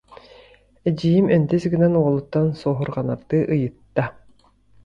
Эдьиийим өндөс гынан уолуттан суоһурҕанардыы ыйытта: